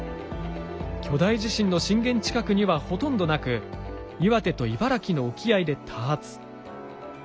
巨大地震の震源近くにはほとんどなく岩手と茨城の沖合で多発。